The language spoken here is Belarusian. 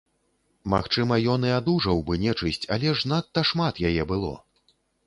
Магчыма, ён і адужаў бы нечысць, але ж надта шмат яе было.